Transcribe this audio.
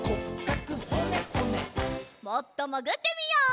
もっともぐってみよう。